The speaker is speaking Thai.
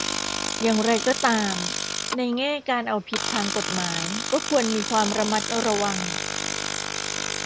อย่างก็ตาม ในแง่การเอาผิดทางกฎหมายก็ควรมีความระมัดระวัง